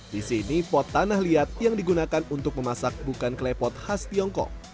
di sini pot tanah liat yang digunakan untuk memasak bukan klepot khas tiongkok